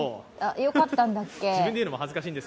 よかったんだっけ？